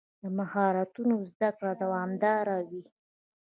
د مهارتونو زده کړه دوامداره وي.